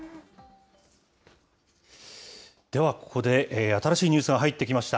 ではここで新しいニュースが入ってきました。